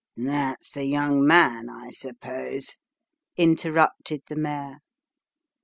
311 " That's the young man, I suppose " interrupted the mayor.